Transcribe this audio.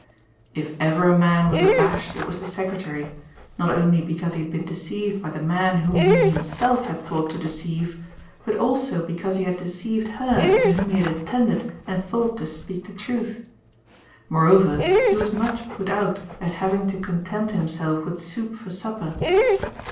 If ever a man was abashed it was the secretary, not only because he had been deceived by the man whom he himself had thought to deceive, but also because he had deceived her to whom he had intended and thought to speak the truth. Moreover, he was much put out at having to content himself with soup for supper.